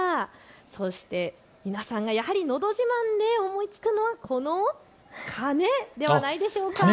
そして皆さんがやはりのど自慢で思いつくのはこの鐘ではないでしょうか。